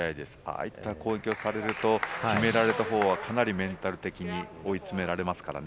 ああいう攻撃をされると決められたほうは、かなりメンタル的に追い詰められますからね。